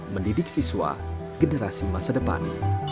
mendidik siswa generasi masa depan